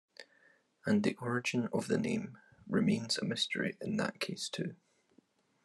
And the origin of the name remains a mystery in that case too.